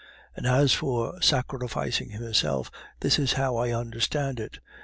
And as for sacrificing himself, this is how I understand it.